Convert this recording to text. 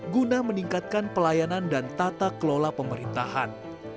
guna meningkatkan pelayanan dan tata kelola pemerintahan